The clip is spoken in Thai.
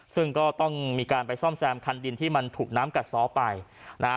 ซึ่งก็ต้องมีการไปซ่อมแซมคันดินที่มันถูกน้ำกัดซ้อไปนะฮะ